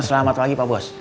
selamat pagi pak bos